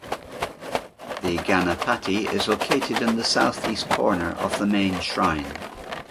The Ganapati is located in the south east corner of the main shrine.